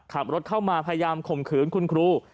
ขับรถเข้ามาพยายามข่มขืนคุณครู